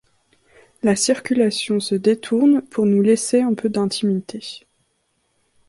La circulation se détourne pour nous laisser un peu d’intimité.